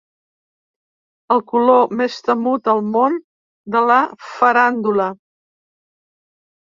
El color més temut al món de la faràndula.